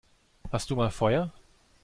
Hast du mal Feuer?